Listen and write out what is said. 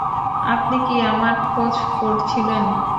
আপনি কি আমার খোঁজ করছিলেন?